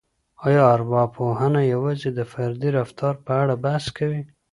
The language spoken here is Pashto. آیا ارواپوهنه یوازې د فردي رفتار په اړه بحث کوي؟